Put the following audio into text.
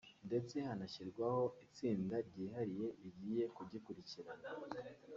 ndetse hanashyirwaho itsinda ryihariye rigiye kugikurikirana